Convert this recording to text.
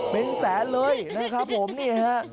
เป็นแสนเลยนะครับผมนี่ฮะ